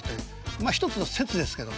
まあ１つの説ですけど。